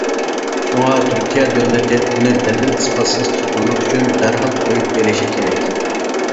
شۇڭا تۈركىيە دۆلىتى ئۇنى دەلىل-ئىسپاتسىز تۇتقانلىقى ئۈچۈن، دەرھال قويۇپ بېرىشى كېرەك.